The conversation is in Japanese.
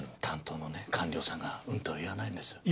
担当のね官僚さんがうんとは言わないんです。